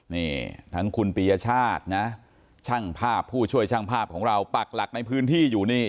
นี่ทั้งคุณปียชาตินะช่างภาพผู้ช่วยช่างภาพของเราปักหลักในพื้นที่อยู่นี่